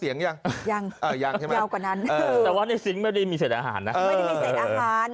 ยั้งยาวกว่านั้นแล้ววันนี้สิงค์ไม่มีเศษอาหารนะเออ